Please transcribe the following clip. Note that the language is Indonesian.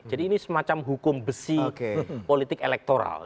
jadi ini semacam hukum besi politik elektoral